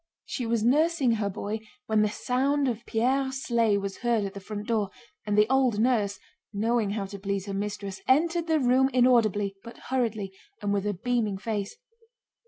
She was nursing her boy when the sound of Pierre's sleigh was heard at the front door, and the old nurse—knowing how to please her mistress—entered the room inaudibly but hurriedly and with a beaming face.